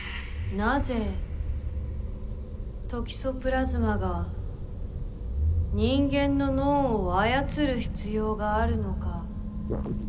なぜトキソプラズマが人間の脳を操る必要があるのか。